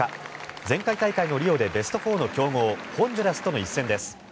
前回大会のリオでベスト４の強豪ホンジュラスとの一戦です。